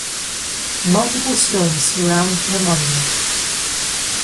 Multiple stones surround the monument.